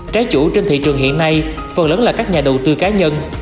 trái chủ trên thị trường hiện nay phần lớn là các nhà đầu tư cá nhân